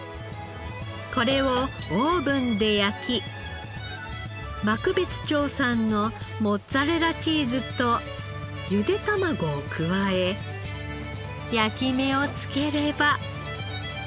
これをオーブンで焼き幕別町産のモッツァレラチーズとゆで卵を加え焼き目を付ければ。